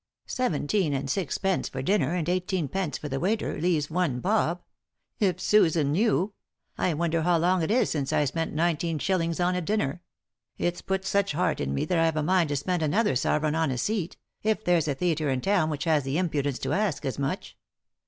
"Seventeen and sixpence for dinner, and eighteen pence for the waiter, leaves one bob ; if Susan knew 1 I wonder how long it is since I spent nineteen shillings on a dinner. It's put such heart in me that I've a mind to spend another sovereign on a seat — if there's a theatre in town which has the impudence to ask as much.